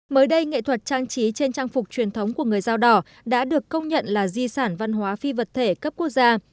mới đây nghệ thuật trang trí trên trang phục truyền thống của người dao đỏ đã được công nhận là di sản văn hóa phi vật thể cấp quốc gia